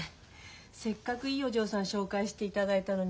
せっかくいいお嬢さん紹介していただいたのに。